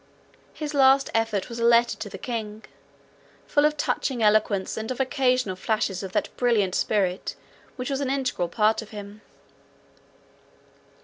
His last effort was a letter to the king, full of touching eloquence, and of occasional flashes of that brilliant spirit which was an integral part of him.